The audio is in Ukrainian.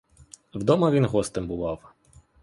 Вдома він гостем бував.